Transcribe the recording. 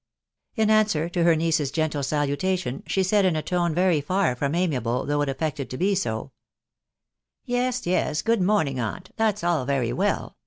In answer to her niece's gentle salutation, she said in atoat very far from amiable, though it affected to be so, —" Yes, yes, good morning, aunt !.... that's all mry well